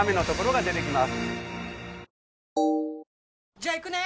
じゃあ行くね！